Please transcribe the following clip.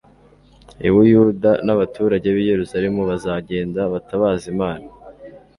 i Buyuda n abaturage b i Yerusalemu bazagenda batabaze imana